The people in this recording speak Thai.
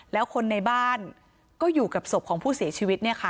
แล้วคนในบ้านก็อยู่กับศพของผู้เสียชีวิต